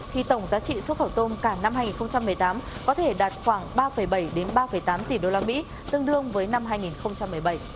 thì tổng giá trị xuất khẩu tôm cả năm hai nghìn một mươi tám có thể đạt khoảng ba bảy ba tám tỷ đô la mỹ tương đương với năm hai nghìn một mươi bảy